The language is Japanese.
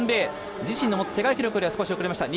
自身の持つ世界記録よりは少し遅れました。